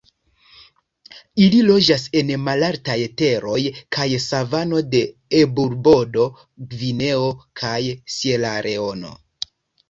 Ili loĝas en malaltaj teroj kaj savano de Eburbordo, Gvineo kaj Sieraleono.